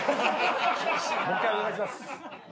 もう１回お願いします。